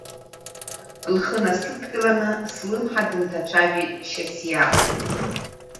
Лхы насыдкыланы слымҳа дынҭацәажәеит Шьасиа.